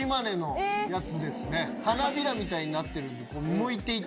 花びらみたいになってるんでむいて行って。